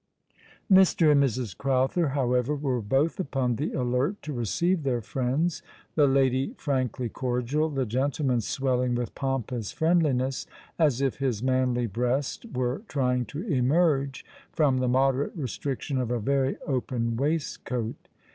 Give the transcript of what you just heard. Mr. and Mrs. Crowther, however, were both upon the alert to receive their friends, the lady frankly cordial, the gentle man swelling with pompous friendliness, as if his manly breast were trying to emerge from the moderate restriction of a very open waistcoat.